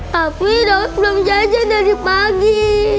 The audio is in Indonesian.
tapi dok belum jajan dari pagi